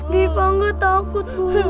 di pangga takut bu